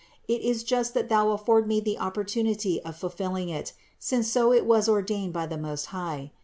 It is just that thou afford me the opportunity of fulfilling it, since so it was ordained by the Most High.